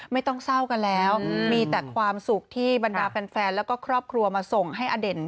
ไม่ต้องเศร้ากันแล้วมีแต่ความสุขที่บรรดาแฟนแล้วก็ครอบครัวมาส่งให้อเด่น